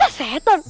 eh ada sesetan